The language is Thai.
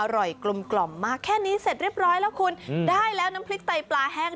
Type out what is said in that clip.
กลมกล่อมมากแค่นี้เสร็จเรียบร้อยแล้วคุณได้แล้วน้ำพริกไตปลาแห้ง